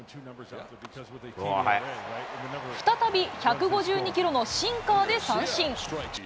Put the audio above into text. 再び１５２キロのシンカーで三振。